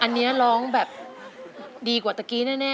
อันนี้ร้องแบบดีกว่าตะกี้แน่